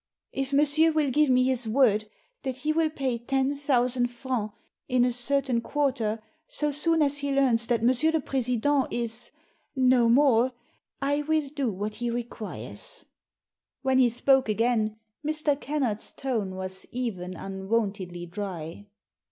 If monsieur will give me his word that he will pay ten thousand francs in a certain quarter so soon as he learns that M. le President is — no more, I will do what he requires." When he spoke again Mr. Kennard's tone was even unwontedly dry.